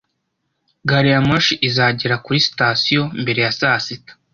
Gariyamoshi izagera kuri sitasiyo mbere ya saa sita